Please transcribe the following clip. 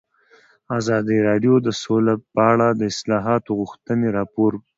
ازادي راډیو د سوله په اړه د اصلاحاتو غوښتنې راپور کړې.